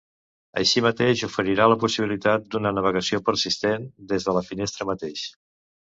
Així mateix, oferirà la possibilitat d’una navegació persistent des de la finestra mateix.